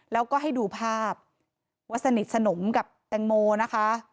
แล้วก็ให้ดูภาพว่าสนิทสนมกับแตงโมนะคะ